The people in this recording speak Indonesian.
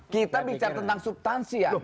kita bicara tentang substansian